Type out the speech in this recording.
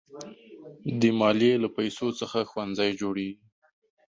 د مالیې له پیسو څخه ښوونځي جوړېږي.